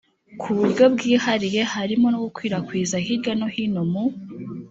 ku buryo bwihariye harimo no gukwirakwiza hirya no hino mu